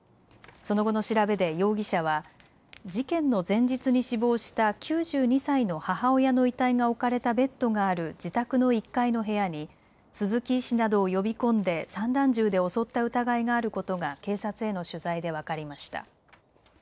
その後の調べで容疑者は事件の前日に死亡した９２歳の母親の遺体が置かれたベッドがある自宅の１階の部屋に鈴木医師などを呼び込んで散弾銃で襲った疑いがあることが警察への取材で分かりました。